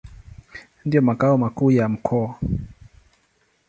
Ndio makao makuu ya mkoa.